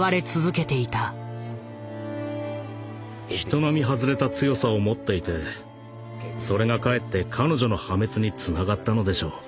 人並み外れた強さを持っていてそれがかえって彼女の破滅につながったのでしょう。